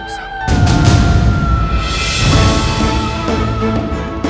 tidak ada yang bisa ditunggu